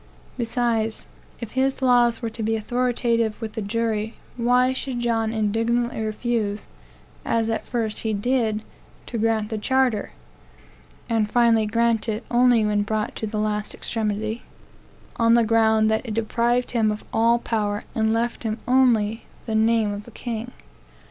Besides, if his laws were to be authoritative with the jury, why should John indignantly refuse, as at first he did, to grant the charter, (and finally grant it only when brought to the last extremity,) on the ground that it deprived him of all power, and left him only the name of a king?